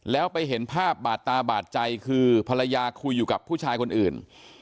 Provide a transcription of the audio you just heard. แล้วไปเห็นภาพบาดตาบาดใจคือภรรยาคุยอยู่กับผู้ชายคนอื่น